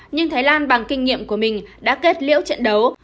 nhưng thái lan bằng kinh nghiệm của mình đã kết liễu trận đấu